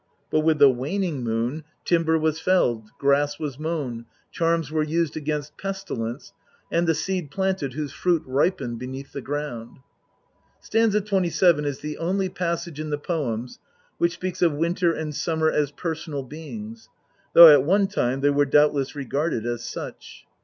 But with the waning Moon INTRODUCTION. xxtn timber was felled, grass was mown, charms were used against pesti lence, and the seed planted whose fruit ripened beneath the ground. St. 27 is the only passage in the poems which speaks of Winter and Summer as personal beings, though at one time they were doubt less regarded as such.